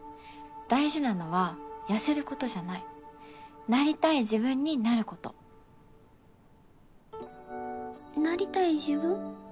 大事なのは痩せることじゃないなりたい自分になることなりたい自分？